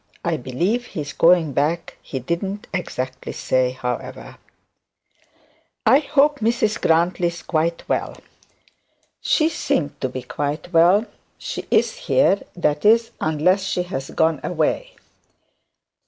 I believe he is going back; he didn't exactly say, however.' 'I hope Mrs Grantly is quite well.' 'She seemed to be quite well. She is here; that is, unless she has gone away.'